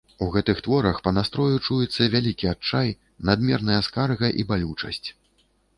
У гэтых творах па настрою чуецца вялікі адчай, надмерная скарга і балючасць.